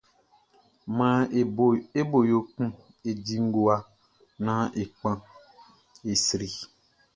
Maan e bo yo kun e di ngowa, nán e kpan, e sri.